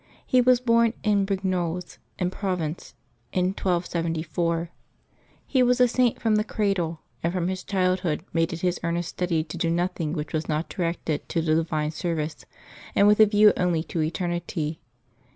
He was born at Brignoles, in Provence, in 1274. He was a Saint from the cradle, and from his child hood made it his earnest study to do nothing which was not directed to the divine service, and with a view only to eternity.